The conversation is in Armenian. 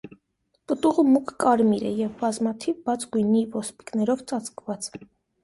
Պտուղը մուգ կարմիր է և բազմաթիվ բաց գույնի ոսպիկներով ծածկված։